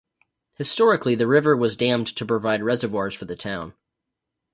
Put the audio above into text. Historically, the river was dammed to provide reservoirs for the town.